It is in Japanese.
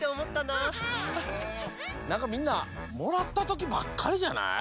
なんかみんなもらったときばっかりじゃない？